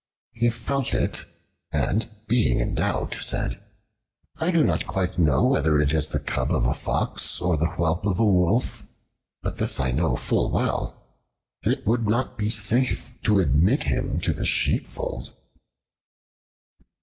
He felt it, and being in doubt, said: "I do not quite know whether it is the cub of a Fox, or the whelp of a Wolf, but this I know full well. It would not be safe to admit him to the sheepfold."